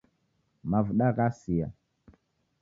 Mavuda ghasia